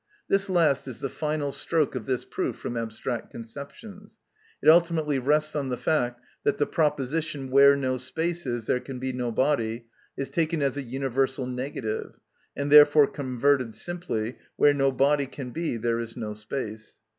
This last is the final stroke of this proof from abstract conceptions. It ultimately rests on the fact that the proposition, "Where no space is, there can be no body" is taken as a universal negative, and therefore converted simply, "Where no body can be there is no space."